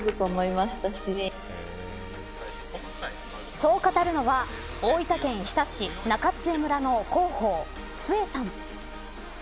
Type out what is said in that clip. そう語るのは大分県日田市中津江村の広報津江さん。